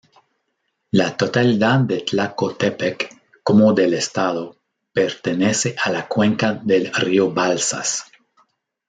La totalidad de Tlacotepec –como del estado- pertenece a la cuenca del rio Balsas.